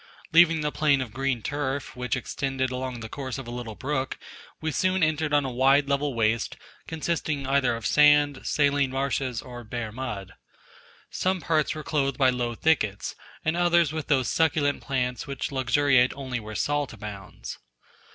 Leaving the plain of green turf, which extended along the course of a little brook, we soon entered on a wide level waste consisting either of sand, saline marshes, or bare mud. Some parts were clothed by low thickets, and others with those succulent plants, which luxuriate only where salt abounds.